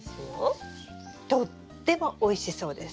とってもおいしそうです！